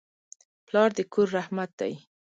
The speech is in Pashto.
پلار د کور رحمت دی.